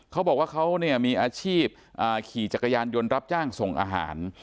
เขาบอกว่าเขาเนี่ยมีอาชีพขี่จักรยานยนต์รับจ้างส่งอาหาร